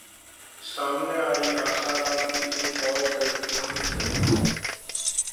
सामने आई आसाराम की एक और 'डर्टी पिक्चर'